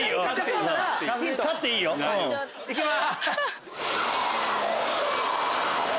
行きます。